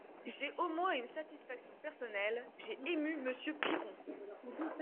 J’ai au moins une satisfaction personnelle : j’ai ému Monsieur Piron.